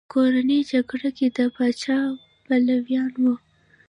په کورنۍ جګړه کې د پاچا پلویان وو.